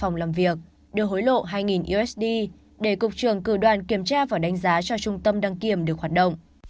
ông hình được hối lộ hai usd để cục trưởng cử đoàn kiểm tra và đánh giá cho trung tâm đăng kiểm được hoạt động